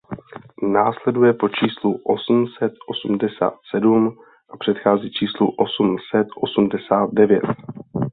Následuje po číslu osm set osmdesát sedm a předchází číslu osm set osmdesát devět.